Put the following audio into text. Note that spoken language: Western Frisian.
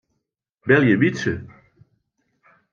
Belje Wytse.